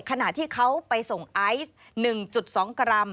ขณะที่เขาไปส่งไอซ์๑๒กรัม